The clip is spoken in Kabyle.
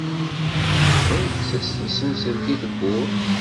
Yuba yekkes-as tisenselt i tewwurt.